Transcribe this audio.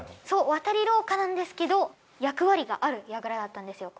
渡り廊下なんですけど役割がある櫓だったんですよ